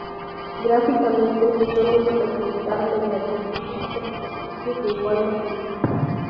Gráficamente, se suelen representar mediante líneas o superficies de igual magnitud.